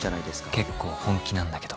結構本気なんだけど。